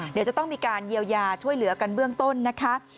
เดี๋ยวจะต้องมีการเยียวยาช่วยเหลือกันเบื้องต้นนะคะ